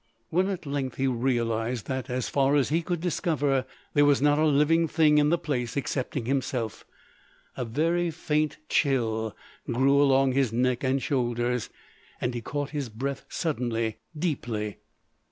When at length he realised that, as far as he could discover, there was not a living thing in the place excepting himself, a very faint chill grew along his neck and shoulders, and he caught his breath suddenly, deeply.